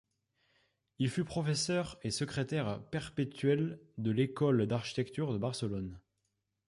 Il fut professeur et secrétaire perpétuel de l'École d'architecture de Barcelone.